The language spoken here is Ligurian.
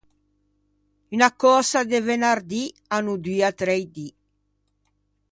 Unna cösa de venardì a no dua trei dì.